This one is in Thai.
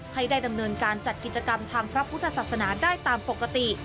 ให้ได้ดำเนินการจัดกิจกรรมทางพระพุทธศาสนาได้ตามปกติ